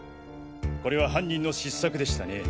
これは犯人の失策でしたね。